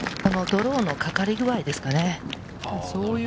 ドローのかかり具合ですかね。